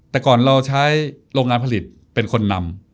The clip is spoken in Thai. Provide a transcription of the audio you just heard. แต่ก่อนเราใช้โรงงานผลิตเป็นคนนำ